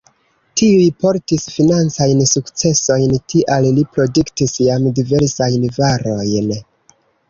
Tiuj portis financajn sukcesojn, tial li produktis jam diversajn varojn.